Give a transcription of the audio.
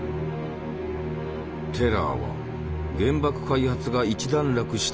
テラーは原爆開発が一段落した